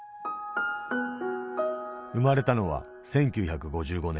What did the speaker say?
生まれたのは１９５５年。